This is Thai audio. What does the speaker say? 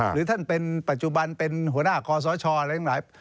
หรือท่านเป็นปัจจุบันเป็นหัวหน้าคอสชอะไรทั้งหลาย